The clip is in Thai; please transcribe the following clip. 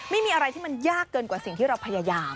ไม่มีอะไรที่มันยากเกินกว่าสิ่งที่เราพยายาม